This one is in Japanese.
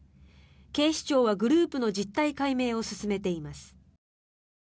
警視庁は、グループの実態解明を進めています。